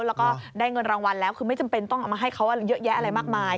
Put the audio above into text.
แล้วก็ได้เงินรางวัลแล้วคือไม่จำเป็นต้องเอามาให้เขาเยอะแยะอะไรมากมาย